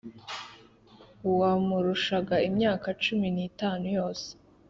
wamurushaga imyaka cumi nitanu yose